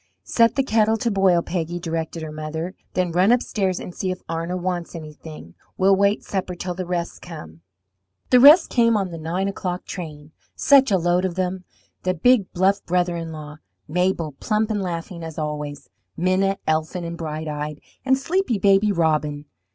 "Set the kettle to boil, Peggy," directed her mother; "then run upstairs and see if Arna wants anything. We'll wait supper till the rest come." The rest came on the nine o'clock train, such a load of them the big, bluff brother in law, Mabel, plump and laughing, as always, Minna, elfin and bright eyed, and sleepy Baby Robin.